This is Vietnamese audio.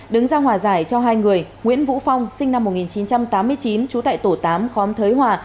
đứng ra hòa giải cho hai người nguyễn vũ phong sinh năm một nghìn chín trăm tám mươi chín trú tại tổ tám khóm thới hòa